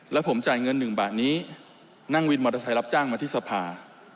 แล้วผมจ่ายเงิน๑บาทนี้นั่งวินมอเตอร์ไซค์รับจ้างมาที่สภา